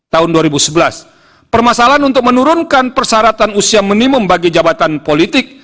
tahun dua ribu sebelas permasalahan untuk menurunkan persyaratan usia minimum bagi jabatan politik